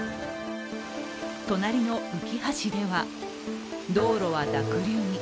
隣のうきは市では、道路は濁流に。